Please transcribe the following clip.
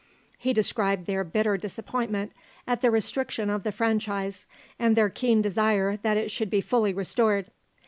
He described their bitter disappointment at the restriction of the franchise, and their keen desire that it should be fully restored.